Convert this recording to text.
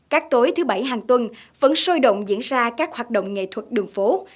các tối thứ bảy hàng tuần vẫn sôi động diễn ra các hoạt động nghệ thuật đường phố